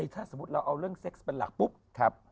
ถ้าสมมุติเราเอาเรื่องเซ็กซ์เป็นหลักปุ๊บ